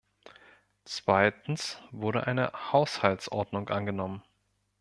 Zweitens wurde eine Haushaltsordnung angenommen.